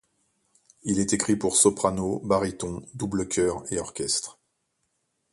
Il est écrit pour soprano, baryton, double chœur et orchestre.